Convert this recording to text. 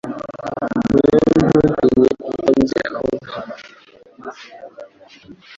wowe ntutinye kuko nzi aho hantu